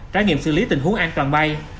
trải nghiệm xử lý tình huống an toàn bay